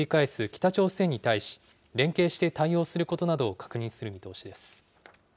北朝鮮に対し、連携して対応することなどを確認する見通しです。